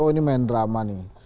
oh ini main drama